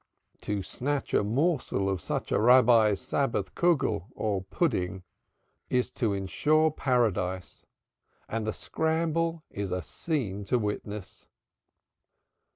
To snatch a morsel of such a Rabbi's Sabbath Kuggol, or pudding, is to insure Paradise, and the scramble is a scene to witness.